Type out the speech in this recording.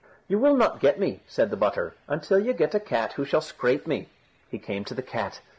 "You will not get me," said the butter, "until you get a cat who shall scrape me." He came to the cat.